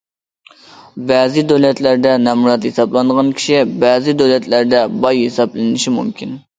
بەزى دۆلەتلەردە نامرات ھېسابلانغان كىشى بەزى دۆلەتلەردە باي ھېسابلىنىشى مۇمكىن.